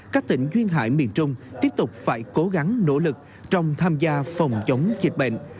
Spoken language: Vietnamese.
các tỉnh duyên hải miền trung tiếp tục phải cố gắng nỗ lực trong tham gia phòng chống dịch bệnh